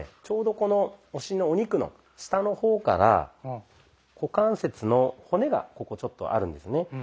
ちょうどこのお尻のお肉の下の方から股関節の骨がここちょっとあるんですね。